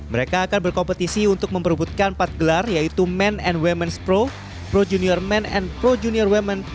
mereka akan berkompetisi untuk memperbutkan empat gelar yaitu men and women's pro pro junior men and pro junior women